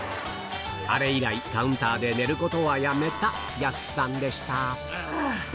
あれ以来カウンターで寝ることはやめた靖さんでした